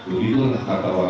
begitu adalah kata orang orang